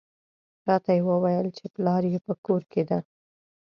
راته یې وویل چې پلار یې په کور کې دی.